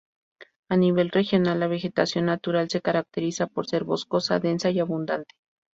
A nivel regional la vegetación natural se caracteriza por ser boscosa, densa y abundante.